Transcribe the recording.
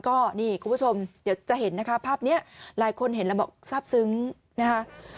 ก็นี่คุณผู้ชมเดี๋ยวจะเห็นนะคะภาพนี้หลายคนเห็นแล้วบอกทราบซึ้งนะคะ